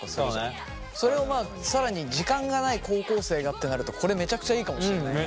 それを更に時間がない高校生がってなるとこれめちゃくちゃいいかもしれないね。